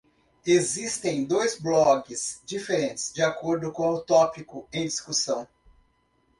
Existem dois blogs diferentes de acordo com o tópico em discussão.